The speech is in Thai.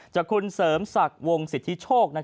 จากคุณเสริมศักดิ์วงศิษย์ศิษษฐิโชค